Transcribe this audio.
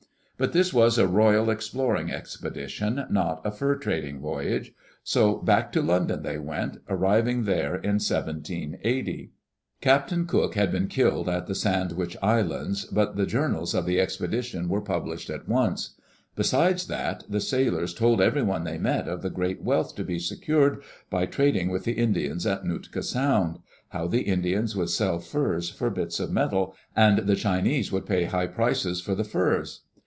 But this was a royal exploring expedition, not a fur trading voyage. So back to London they went, arriv ing there in 1780. Captain Cook had been killed at the Sandwich Islands, but the journals of the expedition were published at once. Besides that, the sailors told everyone they met of the great wealth to be secured by trading with the Indians at Nootka Sound — how the Indians would sell furs for bits of metal, and the Chinese would pay high prices for the furs.